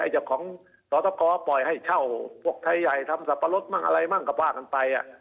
เจ้าของสอตกปล่อยให้เช่าพวกไทยใหญ่ทำสับปะรดมั่งอะไรมั่งก็ว่ากันไป